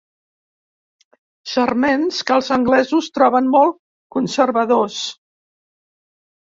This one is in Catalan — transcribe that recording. Sarments que els anglesos troben molt conservadors.